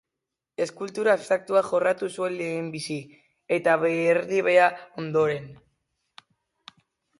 Eskultura abstraktua jorratu zuen lehenbizi, eta behe-erliebea ondoren.